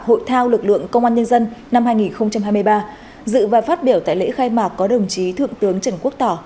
hội thao lực lượng công an nhân dân năm hai nghìn hai mươi ba dự và phát biểu tại lễ khai mạc có đồng chí thượng tướng trần quốc tỏ